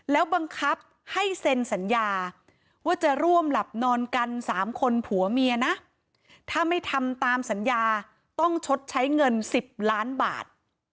แล้วบังคับให้เซ็นสัญญาว่าจะร่วมหลับนอนกัน๓คนผัวเมียนะถ้าไม่ทำตามสัญญาต้องชดใช้เงิน๑๐ล้านบาท